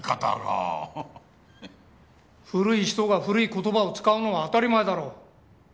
古い人が古い言葉を使うのは当たり前だろう。